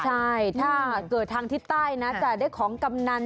ใช่ถ้าเกิดทางทิศใต้นะจะได้ของกำนัน